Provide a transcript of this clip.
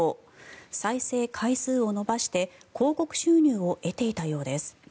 再生回数を伸ばして広告収入を得ていたようです。